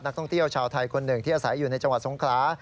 นักท่องเที่ยวชาวไทยคนหนึ่งที่อาศัยอยู่ในจังหวัดสงขลา